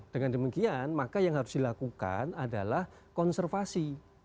dengan demikian maka yang harus dilakukan adalah konservasi